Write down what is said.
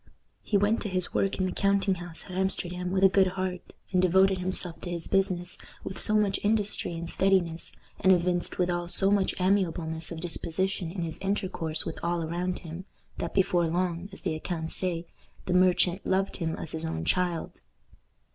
He went to his work in the counting house at Amsterdam with a good heart, and devoted himself to his business with so much industry and steadiness, and evinced withal so much amiableness of disposition in his intercourse with all around him, that before long, as the accounts say, the merchant "loved him as his own child."